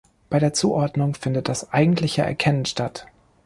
Bei der Zuordnung findet das eigentliche Erkennen statt.